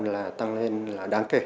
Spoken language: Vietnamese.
là tăng lên là đáng kể